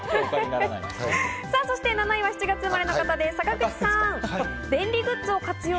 ７位は７月生まれの方です、坂口さん。